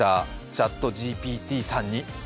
ＣｈａｔＧＰＴさんに。